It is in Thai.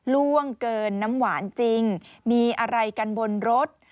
ล่วงเกินน้ำหวานจริงมีอะไรกันบนรถ